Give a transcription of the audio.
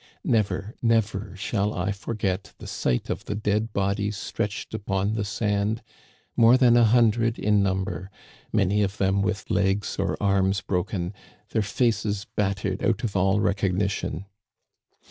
Never, never shall I forget the sight of the dead bodies stretched upon the sand, more than a hundred in number, many of them with legs or arms broken, their faces battered out of all recognition.